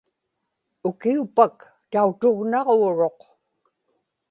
ukiupak tautugnaġuuruq